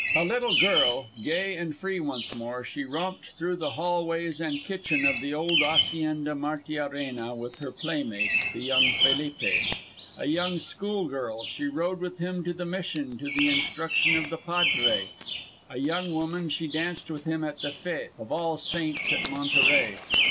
A little girl gay and free once more, she romped through the hallways and kitchen of the old hacienda Martiarena with her playmate, the young Felipe; a young schoolgirl, she rode with him to the Mission to the instruction of the padre; a young woman, she danced with him at the fête of All Saints at Monterey.